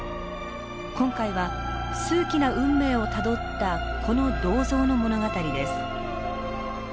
今回は数奇な運命をたどったこの銅像の物語です。